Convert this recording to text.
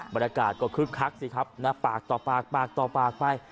บรรยากาศก็คลึกคลักสิครับปากต่อปากไป